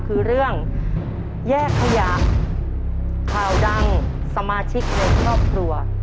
คือเรื่องแยกขยะข่าวดังสมาชิกในครอบครัว